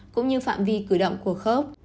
cũng như phạm vi cử động của khớp